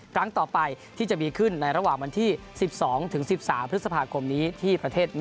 ครั้งต่อไปที่จะมีขึ้นในระหว่างวันที่